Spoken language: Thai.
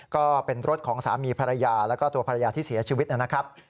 ก็เป็นรถของสามีภรรยาแล้วก็ตัวภรรยาที่เสียชีวิตนะครับ